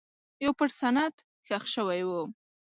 یو پټ سند ښخ شوی و.